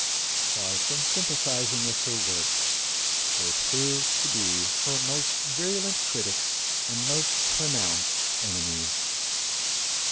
Far from sympathizing with her work, they proved to be her most virulent critics and most pronounced enemies.